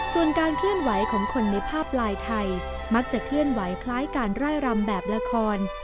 ส่วนการเคลื่อนไหวของคนในภาพลายไทยมักจะเคลื่อนไหวคล้ายการไล่รำแบบละคร